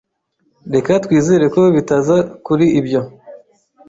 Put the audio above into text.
Reka twizere ko bitaza kuri ibyo.